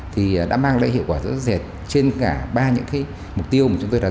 thì đã mang lại hiệu quả rất là rẻ trên cả ba những cái mục tiêu mà chúng tôi đặt ra